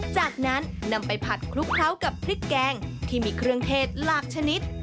จากนั้นนำไปผัดคลุกเคล้ากับพริกแกงที่มีเครื่องเทศหลากชนิด